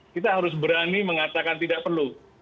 kita harus berani mengatakan tidak perlu